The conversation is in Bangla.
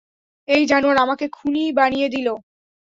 এই জানোয়ার আমাকে খুনী বানিয়ে দিল।